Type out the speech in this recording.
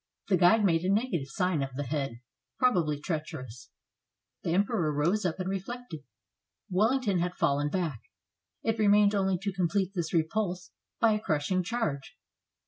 The guide made a negative sign of the head, probably treacherous. The Emperor rose up and reflected. Wellington had fallen back. It remained only to complete this repulse by a crushing charge.